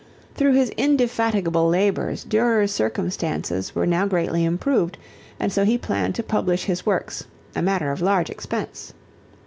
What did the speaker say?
Through his indefatigable labors Durer's circumstances were now greatly improved and so he planned to publish his works, a matter of large expense.